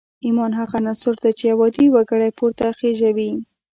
ایمان هغه عنصر دی چې یو عادي وګړی پورته خېژوي